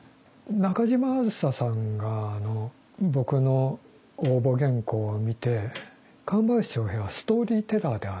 中島梓さんが僕の応募原稿を見て神林長平はストーリー・テラーではないと。